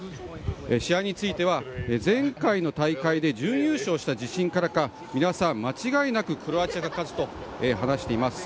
試合については、前回の大会で準優勝した自信からか皆さん、間違いなくクロアチアが勝つと話しています。